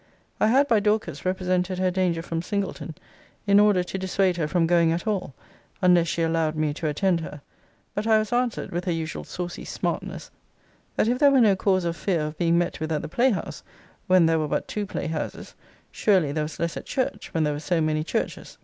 I had, by Dorcas, represented her danger from Singleton, in order to dissuade her from going at all, unless she allowed me to attend her; but I was answered, with her usual saucy smartness, that if there were no cause of fear of being met with at the playhouse, when there were but two playhouses, surely there was less at church, when there were so many churches.